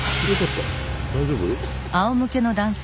大丈夫？